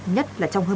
nhất là trường hợp